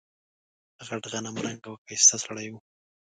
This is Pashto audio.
غټ غنم رنګه او ښایسته سړی و.